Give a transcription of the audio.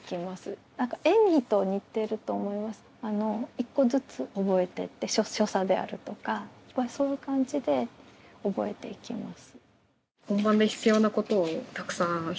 一個ずつ覚えてって所作であるとかそういう感じで覚えていきます。